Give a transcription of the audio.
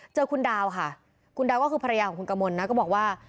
เจอคุณดาวค่ะคุณดาวก็คือภรรยาของคุณกมลนะก็บอกว่า